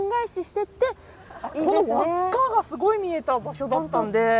この輪っかがすごい見えた場所だったんで。